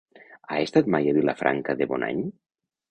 Has estat mai a Vilafranca de Bonany?